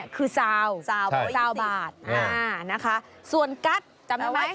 ๒๐คือซาวซาวบาทส่วนกั๊ดจำได้ไหม